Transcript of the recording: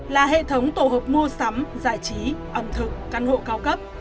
là hệ thống tổ hợp mua sắm giải trí ẩm thực căn hộ cao cấp